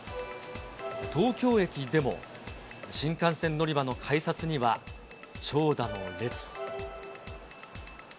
東京駅でも、新幹線乗り場の改札には長蛇の列。